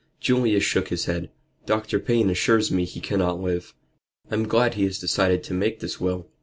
Julius shook his head. "Dr. Payne assures me he cannot live. I am glad he has decided to make this will."